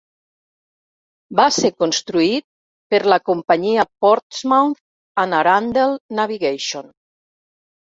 Va ser construït per la companyia Portsmouth and Arundel Navigation.